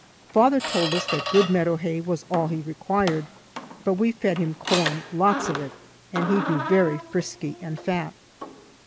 Father told us that good meadow hay was all he required, but we fed him corn, lots of it, and he grew very frisky and fat.